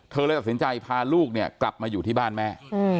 เลยตัดสินใจพาลูกเนี่ยกลับมาอยู่ที่บ้านแม่